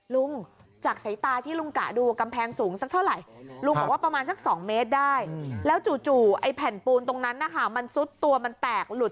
จากสายตาที่ลุงกะดูกำแพงสูงสักเท่าไหร่ลุงบอกว่าประมาณสัก๒เมตรได้แล้วจู่ไอ้แผ่นปูนตรงนั้นนะคะมันซุดตัวมันแตกหลุด